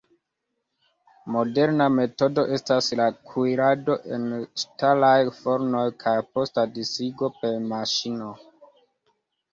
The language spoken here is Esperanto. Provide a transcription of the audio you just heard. Moderna metodo estas la kuirado en ŝtalaj fornoj kaj posta disigo per maŝino.